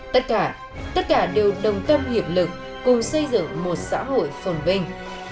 tất cả tất cả đều đồng tâm hiệp lực cùng xây dựng một xã hội phổn bình